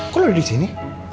kok lo udah disini